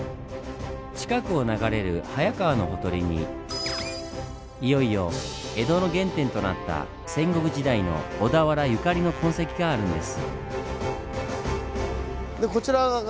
近くを流れる早川のほとりにいよいよ江戸の原点となった戦国時代の小田原ゆかりの痕跡があるんです。